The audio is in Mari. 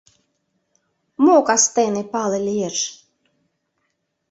Мо кастене пале лиеш?..